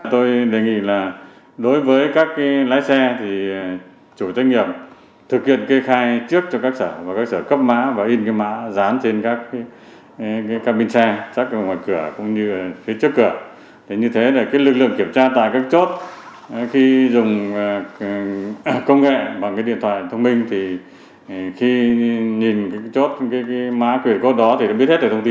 tôi đề nghị là đối với các lái xe thì chủ tế nghiệp thực hiện kê khai trước cho các sở